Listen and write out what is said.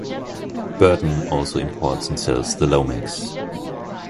Burton also imports and sells the Lomax.